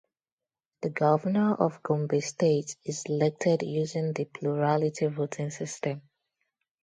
The Governor of Gombe State is elected using the plurality voting system.